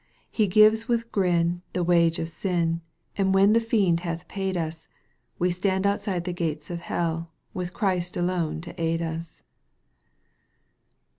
He giTes with grin, the wage of sin ; And when the fiend hath paid us, We stand outside the gate of Hell, With Christ alone to aid us."